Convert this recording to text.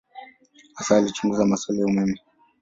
Hasa alichunguza maswali ya umeme.